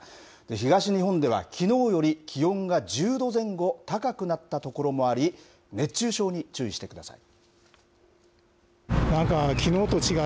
東日本では、きのうより気温が１０度前後高くなった所もあり、熱中症に注意してください。